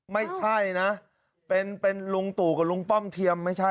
ไม่ใช่นะเป็นลุงตู่กับลุงป้อมเทียมไม่ใช่